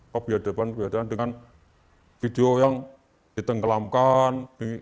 kebiadaban bedaan dengan video yang ditenggelamkan